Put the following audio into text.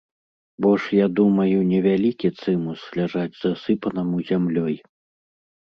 Бо ж, я думаю, невялікі цымус ляжаць засыпанаму зямлёй.